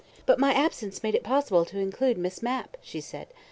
"But my absence made it possible to include Miss Mapp," she said.